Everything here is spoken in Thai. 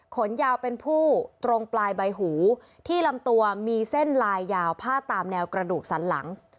ขนยาวเป็นผู้ตรงปลายใบหูที่ลำตัวมีเส้นลายยาวพาดตามแนวกระดูกสันหลัง